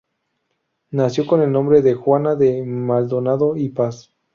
Nació con el nombre de Juana de Maldonado y Paz.